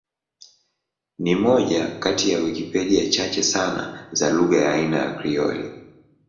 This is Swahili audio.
Ni moja kati ya Wikipedia chache sana za lugha ya aina ya Krioli.